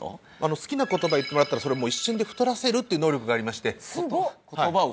好きな言葉言ってもらったらそれ一瞬で太らせるっていう能力がありましてすごっ！